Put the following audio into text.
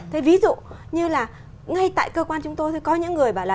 thế ví dụ như là ngay tại cơ quan chúng tôi thì có những người bảo là